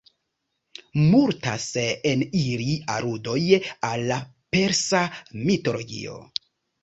Multas en ili aludoj al la persa mitologio.